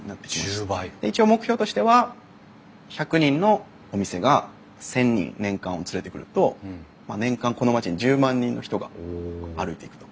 一応目標としては１００人のお店が１，０００人年間連れてくると年間この町に１０万人の人が歩いていくと。